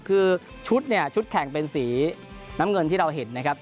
คือชุดเนี่ยชุดแข่งเป็นสีน้ำเงินที่เราเห็นนะครับ